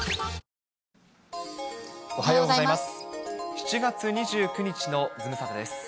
７月２９日のズムサタです。